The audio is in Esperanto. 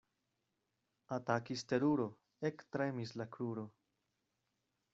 Atakis teruro, ektremis la kruro.